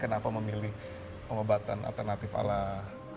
kenapa memilih pengobatan alternatif ala